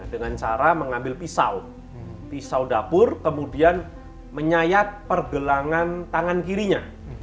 dengan cara mengambil pisau pisau dapur kemudian menyayat pergelangan tangan kirinya